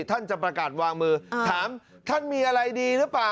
ท่านจะประกาศวางมือถามท่านมีอะไรดีหรือเปล่า